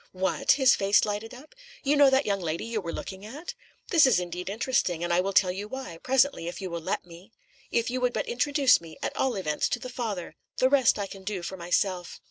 "What!" his face lighted up. "You know that young lady you were looking at? That is indeed interesting, and I will tell you why, presently, if you will let me. If you would but introduce me at all events, to the father. The rest I can do for myself."